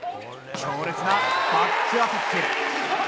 強烈なバックアタック！